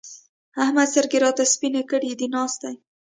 احمد سترګې راته سپينې کړې دي؛ ناست دی.